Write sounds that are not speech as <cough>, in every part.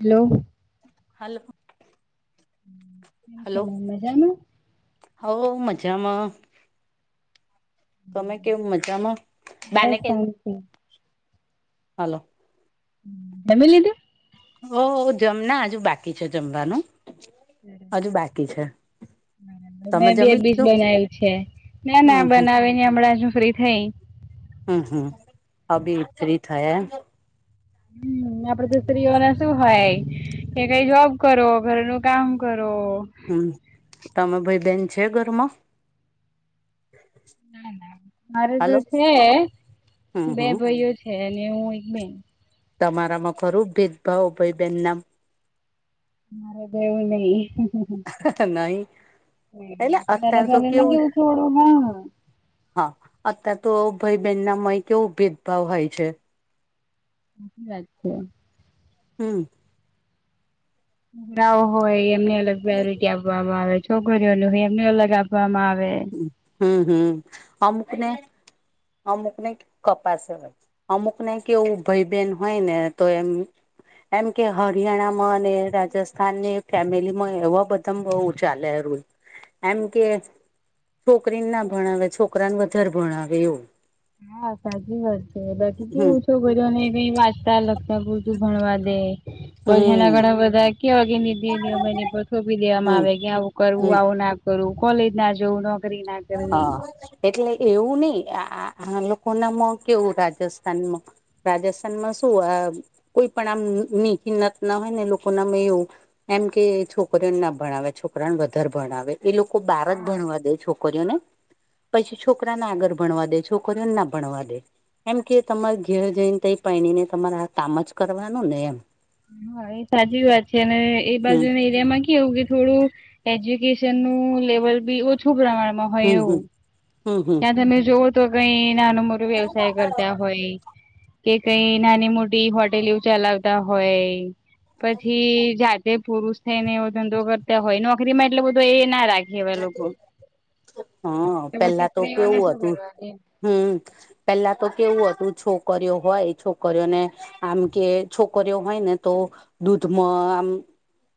અલો. Hello. કેમ છો ma'am, મજામાં? હોવ મજામા. તમે કેમ મજામાં? બા બસ ને કે. શાંતિ. હાલો. જમી લીધુ. ઓ જમના અજુ બાકી છે જમવાનું. હમ્મ. અજુ બાકી છે. બરાબર. મે તમે બે જમી બીસ લીધું બનાવ્યુ છે, ના ના હમ હમ બનાવી ને હમણા શું ફ્રી થઈ. હમ્મ હમ્મ. અ બી ફ્રી થયા. હ આપડધ સ્ત્રીઓને શું હોય, કે કઈ જોબ કરો ઘર નું કામ કરો. હમ, તમે ભાઈ બેન છે ઘરમાં? ના ના મારે તો હલો છે હમ બે હમ ભાઈઓ છે અને હું એક બેન. તમારામાં ખરું ભેદભાવ ભાઈ બેહેન નામ. મારે દેવું ન. નહી એટલે અત્યાર તો કેવું હલામેવું થોડું હા. હા અત્યારે તો ભાઈ બહેન ના મય કેવો ભેદભાવ હોય છે. હી લાગ છે. હમ. હોય એમને અલગ વેરાટી આપ આપવામાં આવે છોકરીઓ ન એમને અલગ આપવામાં આવે. હમ હમ, અમુકને અમુક ને કપાસ હોય. અમુક નને કે એવું ભાઈ બેન હોય ને તો એમ એમ કે હરિયાણામાં અને રાજસ્થાનની ફેમિલીમાં એવા બધા મ બહુ ચાલે એ રુંલ, એમ કે છોકરીને ના ભણાવે છોકરાને વધારે ભણાવે એવું. હા સાચી વાત છે બાકી હમ કેવું છો કર ને કઈ વાંચતાગ બ તું ભણવા દે, પછ ના હમ ગઢ બધા કે અગ મને પરથોપી દેવામાં હમ આવે કે આવું હમ કરવું આવું ના કરવું કોલેજ ના જોવું. હા. એટલે એવું નહ આ આ લોકો નામાં કેવું રાજસ્થાનમાં. રાજસ્થાનમાં શું આ કોઈ પણ આમની કિનત ના હોય ને લોકો ના અ એવું. એમ કે છોકરીઓને ના ભણાવે છોકરાને વધારે ભણાવે એ લોકો બાર જ ભણવા દે છોક છરી ને, પછી છોકરાને આગળ ભણવા દે છોકરીઓને ના ભણવા દે. એમ કે તમારે ઘેર જઈને ત પણીને તમારે આ કામ જ કરવાનું ને એમ. હા એ સાચી વાત છે અને એ હમ બાજુને માં કેવું કે થોડું, એજ્યુકેશન નું લેવલ બી ઓછું પ્રમાણમાં હોય હમ હમ, એવું હમ હમ. ત્યાં તમે જોવ તો કઈ નાનું મોરું વ્યવસાય કરતા હોય. કે કઈ નાની મોટી હોટેલ ચલાવતા હોય. પછી જાતે પુરુષ થઈ ને એવો ધંધો કરતા હોય નોકરીમાં એટલે બધું એ ના રાખે. એવા લોકો હા પેલા તો કેવું હતું, હમ. પેલા તો કેવું હતું છોકરીઓ હોય છોકરીઓને આમ કે છોકરીઓ હોય ને તો દૂધમાં, આમ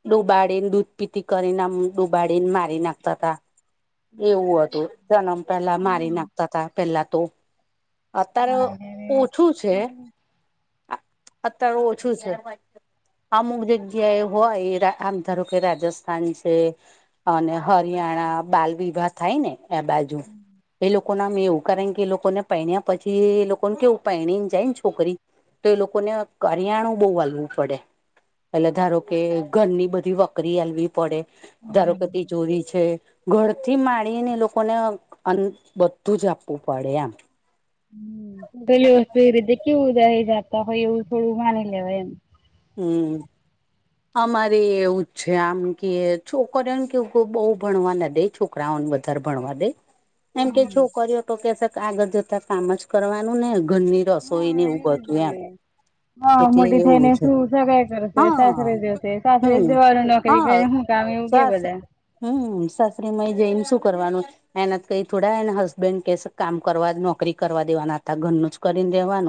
ડુબાડીને દૂધ પીતી કરીને ડુબાડીને મારી નાખતા ત. એવું હતું જન્મ પેલા મારી નાખતા હતા પેલા તો. અત્યારે ઓછું છે, અત્યારે ઓછું છે. અમુક જગ્યાએ હોય આમ ધારો કે રાજસ્થાન છે. અને હરિયાણા બાલ વિવાહ થાય ને. આ બાજુ, એ લોકો નામ એવું કારણ કે એ લોકોને પણ્યા પછી એ લોકોને કેવું પહેણીને જાય ને છોકરી. તો એ લોકોને કરિયાણું બહુ વાલવું પડે. પેલે ધારો કે ઘરની બધી વકરી હવી પડે, ધારો કે તિ ચોરી છે. ઘરથી માણીને એ લોકોને બધું જ આપવું પડે આમ. હ ગલી વસ્તુ એ રીતે કેવું જતા હોય એવું થોડું માની લેવાય એમ. હમ અમારે એવું જ છે આમ કે છોકરીને કેવું બહુ ભણવા ના દે છોકરાઓને વધારે ભણવા દે એમ કે હમ છોકરીઓ તો કે છે આગળ જતા કામ જ કરવાનું ને ઘરની રસોઈ ને હા એવું જ બધું ને. એમ હા એટલે મોટી એવું થઈને છે હા તે સાસરે હમ જવાનું નોકરી હા કરી હું કામ એવું કે સાસ બધા હમ સાસરીમાંય જઈને શું કરવાનું છે. એના કઈ થોડા એને હસબેન્ડ કે કામ કરવા નોકરી કરવા દેવાના હતા ઘરનું જ કરી દેવાનું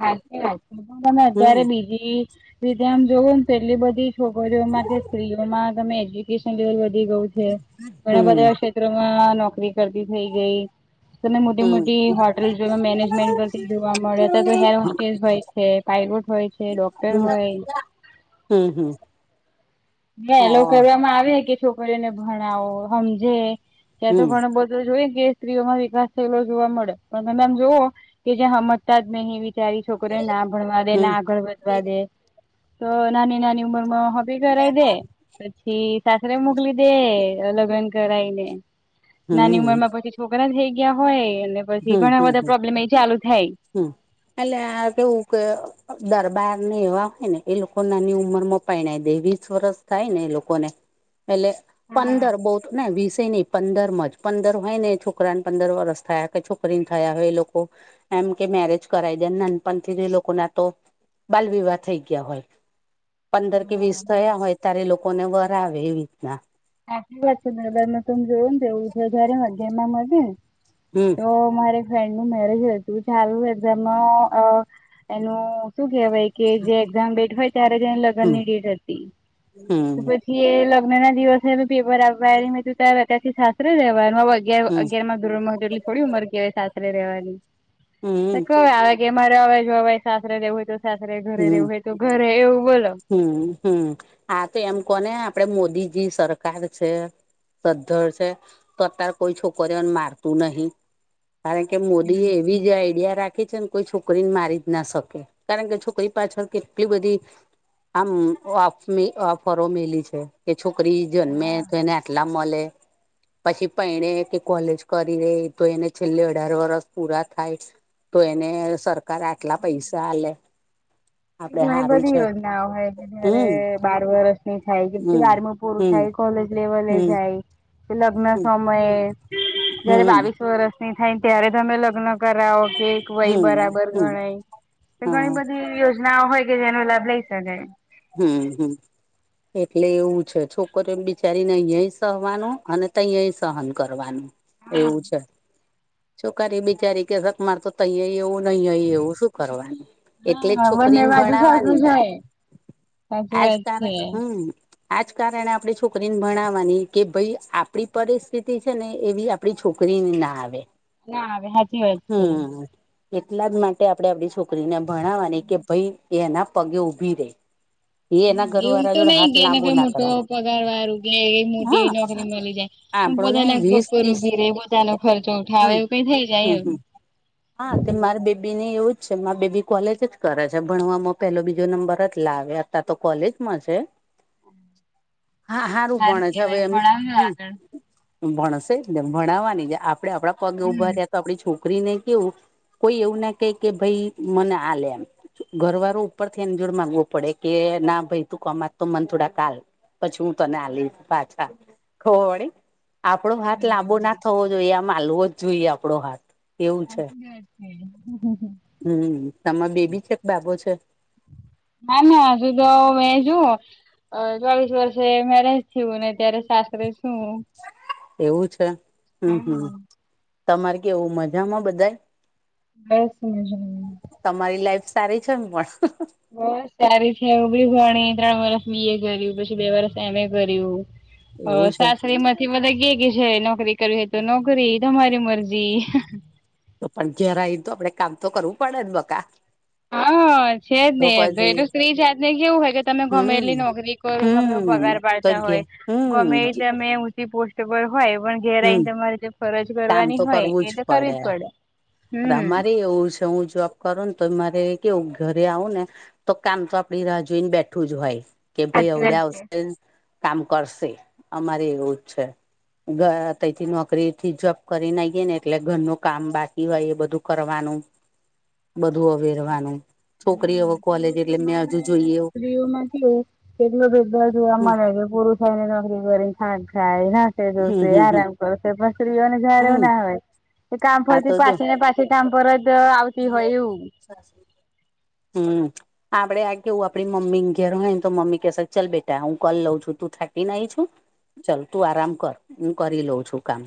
હાચી વાત છે પણ તમે અત્યારે હમ બીજી રીતે આમ જોવું ને એટલી બધી છોકરીઓમાં સ્ત્રીઓમાં તમે એજ્યુકેશન લેવલ વધી ગયું છે ઘણા હમ બધા મમાં નોકરી કરતી થઈ ગઈ તમે મોટી હમ મોટી હોટેલ જો મેનેજમેન્ટ કરતી જોવા મળે તો હેર હોસ્ટેલ હોય છે પાયલોટ હોય છે ડોક્ટર હમ હોય હમ હમ હ એ લોકો કહેવામાં આવે કે છોકરીઓને ભણાવો સમજે ત્યાં તો હમ ઘણું બધું જોઈ કે સ્ત્રીઓ વિકાસ થયેલો જોવા મળે પણ તમ જોવ કે જ્યાં સમજતા નહી બીચારી છોકરીને ના ભણવા દે ના હમ આગળ વધવા દે તો નાની નાની ઉંમર માં સગાઈ કરાઈ દે પછી સાસરે મોકલી દે લગ્ન કરાઈને હમ નાની હમ ઉંમર માં પછી છોકરા થઈ ગયા હોય અને પછી હમ ઘણા હમ હમ બધા પ્રોબ્લેમ એ ચાલુ થાય હમ એટલે આ કેવું કે દરબારને એવા હોય ને એ લોકો નાની ઉંમર માં પરણાવી દે વીસ વરસ થાય ને એ લોકોને એટલે હા પંદર બહુ ને વીસે નહીં પંદર માં જ પંદર હોય ને છોકરાને પંદર વરસ થયા. કે છોકરીને થયા હોય એ લોકો એમ કે મેરેજ કરાઈ દે નાનપણથી એ લોકો ના તો બાલ વિવાહ થઈ ગયા હોય પંદર કે વીસ હા થયા હોય ત્યારે લોકોને વર આવે એવી રીતના હાચી વાત છે દરબરમાં તો એવુજ હોય છે જયારે હું અગિયાર માં હતીને <inaudible> તો મારે ફ્રેન્ડ નું મેરેજ હતું ચાલુ એક્ઝામ એનું શું કેહેવાય કે જે એક્ઝામ ડેટ હોય ત્યારે જ એની લગ્ન હમ ની ડેટ હતી હમ લગ્ન ના દિવસે પેપર આપવા મે કીધું અત્યારે થી સાસરે રહેવાનું હમ અગયાર થોડી ઉંમર કહેવાય સાસરે રેવાની હમ આવે કે મારે જો ભાઈ સાસરેેવું હોય તો સાસરે ઘરે હમ રહેેવું હોય તો ઘરે એવું બોલો હમ હમ આ તો એમ કોને આપડે મોદીજી સરકાર છે. સદ્ધર છે તો અતાર કોઈ છોકરી મારતું નહી કારણ કે મોદી એવી જ આઈડિયા રાખી છે ને કોઈ છોકરીને મારી જ ના શકે કારણ કે છોકરી પાછળ કેટલી બધી આમ ઓફરો મેલી છે કે છોકરી જન્મે તો એને આટલા મળે પછી પરણે કે કોલેજ કરી રે તો એને છેલ્લે અઢાર વરષ પૂરા થાય તો એને સરકાર આટલા પૈસા આલે આપડે ગણી હારું બધી છે યોજનાઓ હોય કે જારે હમ બાર વર્ષ થાય કે પછી હમ બારમુ પૂરું હમ થાય કોલેજ લેવલે હમ જાય લગ્ન હમ સમયે જયારે હમ બાવીસ વરષની થાય ત્યારે તમે લગ્ન કરાવો કે વય હમ બરાબર હમ ગણાય તો હા ઘણી બધી યોજનાઓ હોય કે જેનો લાભ લઈ શકેાય હમ હમ એટલે એવું છે છોકરી બિચારીને અયાય સહવાનું અને તયાય સહન કરવાનું એવું છે છોકરી બિચારી કે સકમાર તો તૈય એવું નહી અય એવું શું કરવાનું એટલે જ હા બંને છોકરીને બાજુ ભણાવાની સરખું ને છે સાચી વાત આજકાર છે હમ આજ કારણે આપડી છોકરીને ભણાવાની કે ભાઈ આપડી પરિસ્થિતિ છે ને એવી આ પડી છોકરીને ના આવે ના આવે હાચી વાત છે. હમ એટલા જ માટે આપડે આપડી છોકરીને ભણાવાની કે ભાઈ એના પગે ઊભી રેય હ એવું તો નઈ કે એને લાંબો કઈ ના મોટો કરે પગાર વારું કે હા મોટી નોકરી મળી જાય પણ આપણો ને પોતાના પગ વીસ પર ત્રીસ ઉભી રેય પોતાનો ખર્ચો ઉઠાવે હમ એવું કઈ થઈ જાય હમ એમ હમ હા તે મારે બેબી ને એવું જ છે મારા બેબી કોલેજ જ કરે છે ભણવામાં પેલો બીજો નંબર જ લાવે અતા તો કોલેજમાં છે. હા હારું સારું ભણે છે અવે કેવાય એમ પણ ભણશે જ ને ભણાવાની જે આપડે આપડા પગ ઉભા રહ્યા તો આપડી છોકરીને કેવું કોઈ એવું ના કેય કે ભાઈ મને આ લે એમ ઘર વાળો ઉપરથી એને જોરમા ગો પડે કે ના ભાઈ તું કમાત તો મન થોડાક આલ પછી હું તને આલીસ પાછા ખબર પડી આપડો આવજો હાથ લાંબો ના આગળ. થવો જોઈએ આમ હાલવો જ જોઈએ આપડો હાથ એવું છે બરાબર સાચી વાત છે. હમ તમાર બેબી છે કે બાબો છે. <unintelligible> અ ચોવીસ વર્ષે મેરેજ થયું અને અત્યારે સાસરે છું એવું છે હમ હમ તમારે કેવું મજામાં બધાય બસ મજામાં તમારી લાઈફ સારી છે પણ બસ સારી છે એવું બી ભણી ત્રણ વરસ મી એ કર્યું પછી બે વરસ એમે કર્યું અ એવું છે સાસરી માં થી મને કેય છે નોકરી કરવી હોય તો નોકરી તમારી મરજી તો પણ ઘેર આયી તો આપડે કામ તો કરવું પડેને બકા હા છે જ ને તો એટલે સ્ત્રી જાતને કેવું હોય કે તમે ગમેલી હમ નોકરી કરો ગમે એવું હમ પગાર તો પાડતા ઘે હોય ગમે હમ તમે ઊંચી પોસ્ટ પર હોય પણ ઘેરે હમ તમારે જે ફરજ કામ કરવાની તો હોય કરવું એ તો કરવી જ પડે હમ અમારે એવું છે હું જો કરુન તો મારે કેવું ઘરે આવું ને તો કામ તો આપડી રાહ જોઈને બેઠું જ હોય કે ભાઈ સાચી અવડે વાત આવશે કામ કરશે અમારે એવું છે. તયથી નોકરી થી જોબ કરીને આવીએ ને એટલે ઘરનું કામ બાકી હોય એ બધું કરવાનું. બધું અવેરવાનું છોકરી હવે કોલેજ એટલે મે સ્ત્રીઓમાં કેવું <unintelligible> હમ <unintelligible> નોકરી કરી ખા ખાયના હમ શે હમ હમ આરામ કરશે પણ સ્ત્રીઓને જારે એવું હમ ના હોય કે કામ આ તો ફરતી જો પાછી ને પાછ થી કામ પરત આવ <inaudible> હમ આપડે આ કેવું આપડી મમ્મી ઘેર હોયને તો મમ્મી કેસે ચલ બેટા હું કલ લઉં છું તું થાકી નાઈ છું ચલ તું આરામ કર હું કરી લઉં છું કામ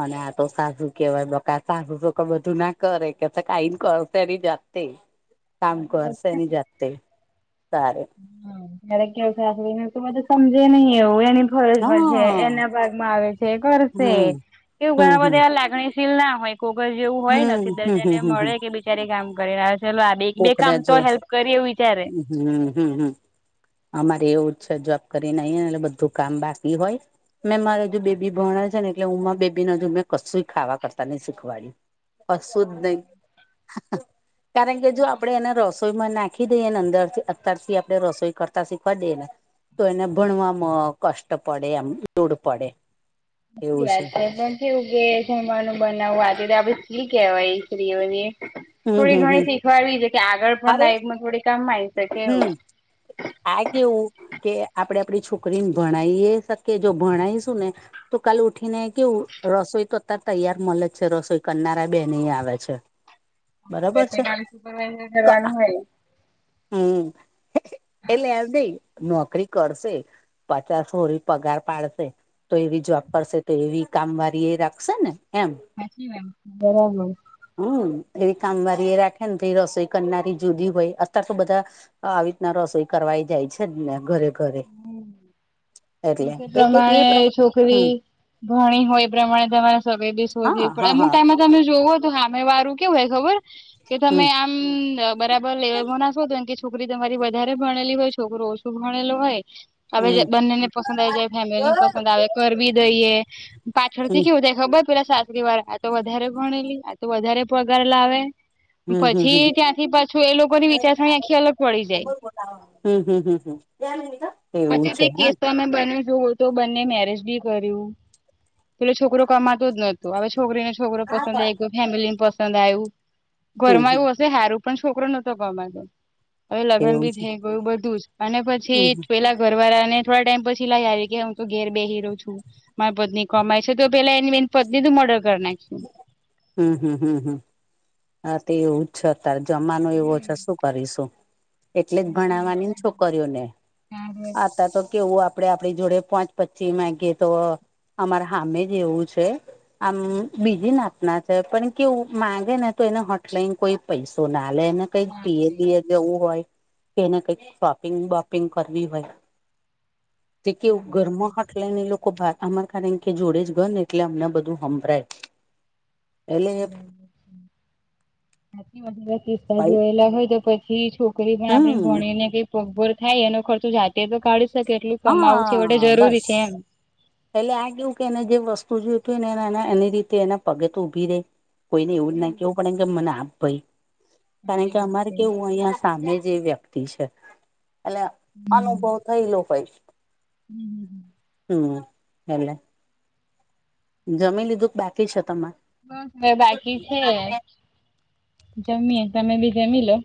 અને આ તો સાસુ કેવાય બકા સાસુ તો બધું ના કરે કે કાઈ કરશે એની જાતે કામ કરશે એની જાતે તારે ક્યારેક કેવું થાઈ બધું સમજે નઈ એવું એ ભરજમાં છે હા એના ભાગ માં આવે છે કરશે હમ એવું હમ ઘણા હમ બધા લાગણી શીલ ના હોય કોગર જેવું હોય હમ હમ સીધર્જને હમ હમ મળે કે બિચારી કામ કરીને આવે ચલો એક બે કોકને કામ કરીએ આમ તો જો હેલ્પ કરીએ એવું વિચારે હમ હમ અમારે એવું છે જોબ કરીને આઇએ એટલે બધું કામ બાકી હોય મેં મારે જો બેબી ભણે છે ને એટલે હુંમાં બેબીને હજુ મેં કશું ખાવા કરતા નહી શીખવાડ્યું કશું જ નહીં કારણ કે જો આપડે એને રસ રસોઈમાં નાખી દઈએ ને અંદર થી અત્યારથી આપડણે રસોઈ કરતા શીખવા દઈએ ને તો એને ભણવામાં કષ્ટ પડે એમ લોડ પડે સાચી વાત છે પણ કેવું કે જમવાનું બનાવું આપડે સ્ત્રી કેવાય સ્ત્રીઓને હમ થોડી હમ ઘણી હમ શીખવાવી છે કે આગળ પણ અરે લાઈફમાં થોડી કામ આવી શકે એવું હમ આ કેવું કે આપણેે આપણી છોકરીને ભણાવએ શકીએ જો ભણાયશું ને તો કાલે ઉઠીને કે રસોઈ તો અત્યારે તૈયાર મળે જ છે રસોઈ કરનારા બેન આવે છે્. <inaudible> બે સુપરવાઈઝર કરવાનું હોય હમ એટલેે એમ બે નોકરી કરશે પચાસ હોરી પગાર પાડશે તો એવી જોબ કરશે તો એવી કામવારી એ રાખશે ને એમ બરાબર હમ એવી કામવારી એ રાખે ને તો રસોઈ કરનારી જુદી હોય અત્યારે તો બધા આવી રીતના રસોઈ કરવાઈ જાય છેને ઘરે ઘરે એટલે એ એ પ્રમાણે હમ છોકરી ભણી હોય એ પ્રમાણે તમારે સગાઈ બી શોધવી હા પડે હા અમુક હા ટાઈમમાં તમે જોવો સામે વારું કેવું હોય ખબર કે તમે હમ આમ બરાબર હમ લેવલમાં ના શોધો તો છોકરી તમારી વધારે ભણેલી હોય છોકરો ઓછું ભણેલો હોય હવે હમ બંને ને પસંદ આવી જાય ફેમિલી ને પસંદ આવે કરવી દઈએ પાછળથી હમ હમ કેવું દે ખબર પેલા સાસરી વાર આ તો વધારે ભણેલી આ તો વધારે પગાર લાવે હમ હમ પછી ત્યાંથી પાછું એ લોકોની વિચારસરણી આખી અલગ પડી જાય હા હમ હમ એવું પછી તે છે હા કેસ તમે બન્યું જોું તો બંને મેરેજ બી કર્યું પેલો છોકરો કમાતો જ નતો હવે છોકરીને છોકરો પસંદ આઈ ગયો ફેમિલી ને પસંદ આવ્યું હમ ઘરમા હમ બધું સારું પણ છોકરો નતો ગમાતો હવે લગ્ન એવું બી છે થઈ ગયું બધું જ અને પછી હમ પછી પેલા ઘરવાળા ને થોડા ટાઈમ પછી લાવ આવી કે હું તો ઘેર બેસીરવ છું મારી પત્ની કમાય છે તો પેલા એ એની પત્ની નું મર્ડર કરી નાખું હમ હમ હમ હમ હા તે એવું છત્યારે જમાનું એવો છે શું કરીશું? એટલે જ ભણાવવાની છોકરીઓને આતા તો કેવું આપ આપડે આપણી જોડે પાંચ પચી માંગીએ તો અમારે હામે જ એવું છે આમ બીજી નાથના છે પણ કેવું માંગે ને તો એને હોટલાઈને કોઈ પૈસો ના આલે કઈક પિયર બીયર જવું હોય કેને કઈક શોપિંગ બોપિંગ કરવી હોય જે કે ઘરમાં હાટ લઈને લોકો બાર અમાર કારણ કે જોડે જ ઘર ને એટલે અમને બધું સંભળાય એલે <unintelligible> કિસ્સા જોયેલા હોય તો પછી છોકરી પણ આપણી હમ ભણીને કઈ પગભર થાય એનો ખર્ચો જાતે તો કાઢી શકે એટલું કમાવું છેવટે જરૂરી છે એમ. એેલે આ કેવું કે એને જે વસ્તુ જોયતું ને એને એની રીતે એના પગે તો ઊભી રે. કોઈને એવું ના કેવું પડે કે મને આપ ભાઈ કારણ કે અમારે કેવું અહિયાં સામે જે વ્યક્તિ છે. એટલે અનુભવ થયલો હોય. હમ્મ હમ્મ હમ્મ એટલે જમી લીધું કે બાકી છે તમા? બસ હવે બાકી છે. જમીયે તમે બી જમી લો.